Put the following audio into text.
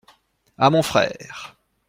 À mon frère.